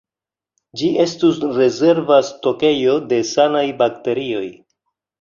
Ĝi estus rezerva stokejo de sanaj bakterioj.